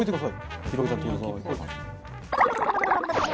はい。